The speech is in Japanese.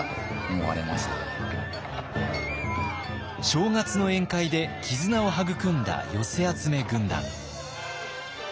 正月の宴会で絆を育んだ寄せ集め軍団。